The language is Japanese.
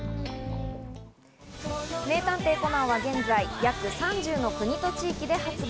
『名探偵コナン』は現在、約３０の国と地域で発売。